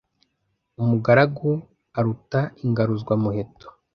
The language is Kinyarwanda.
Umugaragu aruta ingaruzwa muheto.